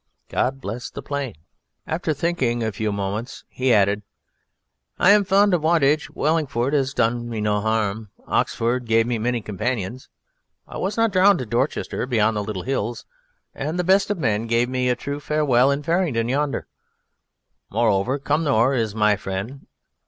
God bless the plain!" After thinking a few moments, he added: "I am fond of Wantage; Wallingford has done me no harm; Oxford gave me many companions; I was not drowned at Dorchester beyond the Little Hills; and the best of men gave me a true farewell in Faringdon yonder. Moreover, Cumnor is my friend.